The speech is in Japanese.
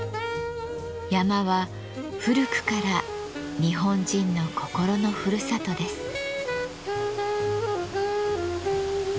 山は古くから日本人の心のふるさとです。